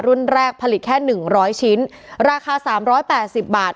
รุ่นแรกผลิตแค่๑๐๐ชิ้นราคา๓๘๐บาท